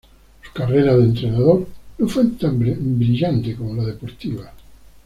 Su carrera de entrenador no fue tan brillante como la deportiva.